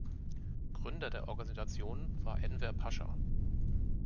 Gründer der Organisation war Enver Pascha.